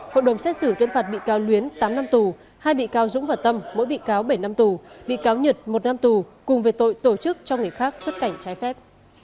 hội đồng xét xử tuyên phạt bị cáo luyến tám năm tù hai bị cáo dũng và tâm mỗi bị cáo bảy năm tù bị cáo nhật một năm tù cùng về tội tổ chức cho người khác xuất cảnh trái phép